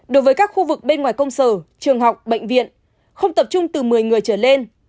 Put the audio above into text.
đối với các khu vực bên ngoài công sở trường học bệnh viện không tập trung từ một mươi người trở lên